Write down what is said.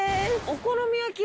お好み焼き！